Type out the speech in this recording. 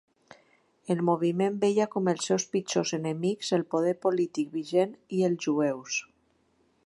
El moviment veia com els seus pitjors enemics el poder polític vigent i els jueus.